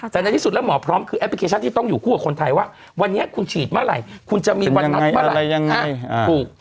แต่ในที่สุดแล้วหมอพร้อมคือแอปพลิเคชันที่ต้องอยู่คู่กับคนไทยว่าวันนี้คุณฉีดเมื่อไหร่คุณจะมีวันนัดเมื่อไหร่ยังไง